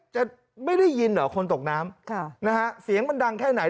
จะไม่ได้ยินเหรอคนตกน้ำค่ะนะฮะเสียงมันดังแค่ไหน